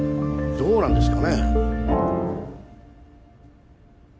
どうなんですか！